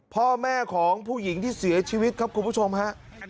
พ่อแม่ของผู้หญิงที่เสียชีวิตครับคุณผู้ชมฮะ